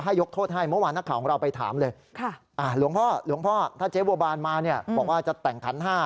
หลวงพ่อถ้าเจ๊บัวบานมาบอกว่าจะแต่งขัน๕